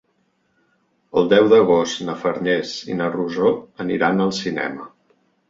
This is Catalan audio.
El deu d'agost na Farners i na Rosó aniran al cinema.